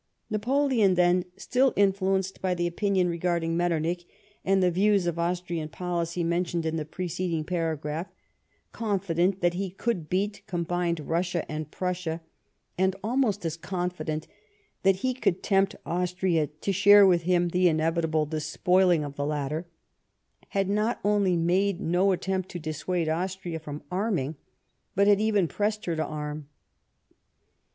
Napoleon, then, still influenced by the opinion re garding Metternich and the views of Austrian policy mentioned in the preceding paragraph, confident that he could beat combined Russia and Prussia, and almost as confident that he could tempt Austria to share with him the inevitable despoiling of the latter, had not only made no attempt to dissuade Austria from arming, but had even pressed her to arm.